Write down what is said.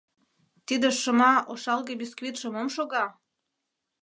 Тиде шыма-ошалге бисквитше мом шога!